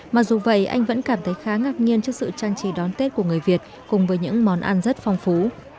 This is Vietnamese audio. mà dù vậy anh vẫn cảm thấy khá ngạc nhiên trước sự trang trí đón tết của người việt cùng với những món ăn rất phong phú